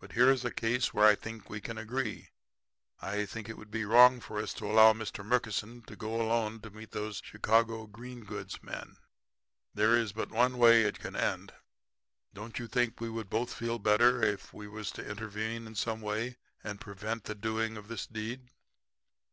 But here is a case where I think we can agree. I feel that it would be wrong for us to allow Mr. Murkison to go alone to meet those Chicago green goods men. There is but one way it can end. Don't you think we would both feel better if we was to intervene in some way and prevent the doing of this deed?'